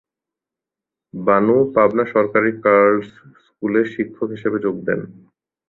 বানু পাবনা সরকারি গার্লস স্কুলে শিক্ষক হিসেবে যোগ দেন।